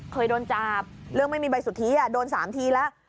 เคยโดนจับเรื่องไม่มีใบสุทธิโดน๓ทีแล้ว